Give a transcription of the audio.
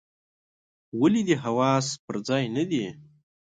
ولي دي حواس پر ځای نه دي ؟